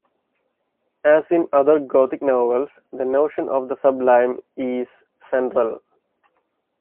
As in other Gothic novels, the notion of the sublime is central.